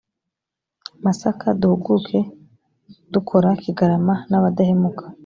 masaka duhuguke dukora kigarama n abadahemuka